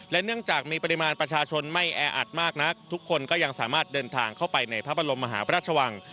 เนื่องจากมีปริมาณประชาชนไม่แออัดมากนักทุกคนก็ยังสามารถเดินทางเข้าไปในพระบรมมหาพระราชวัง